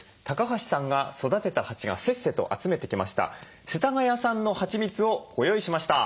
橋さんが育てた蜂がせっせと集めてきました世田谷産のはちみつをご用意しました。